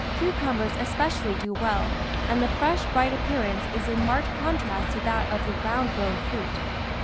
Cucumbers especially do well, and the fresh, bright appearance is in marked contrast to that of the ground grown fruit.